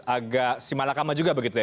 agak simalakama juga begitu ya